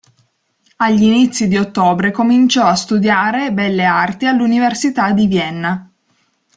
Agli inizi di ottobre cominciò a studiare belle arti all'Università di Vienna.